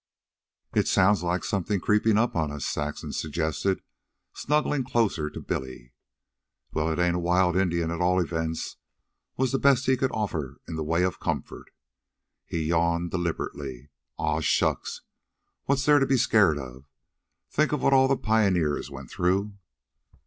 "It sounds like something creeping up on us," Saxon suggested, snuggling closer to Billy. "Well, it ain't a wild Indian, at all events," was the best he could offer in the way of comfort. He yawned deliberately. "Aw, shucks! What's there to be scared of? Think of what all the pioneers went through."